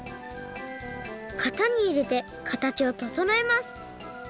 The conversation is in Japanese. かたにいれてかたちをととのえます